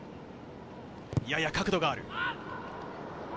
やや角度がある。